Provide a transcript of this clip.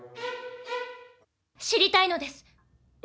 知りたいのです。